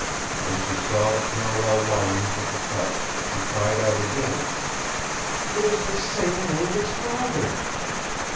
When she saw the parallel lines of the cuts she cried out again: "It is the same wound as Father's!"